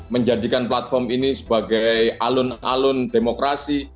menjadikan platform ini sebagai alun alun demokrasi